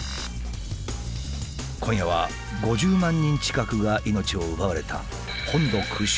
今夜は５０万人近くが命を奪われた所さん！